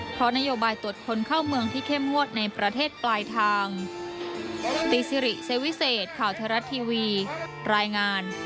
เพราะนโยบายตรวจคนเข้าเมืองที่เข้มงวดในประเทศปลายทาง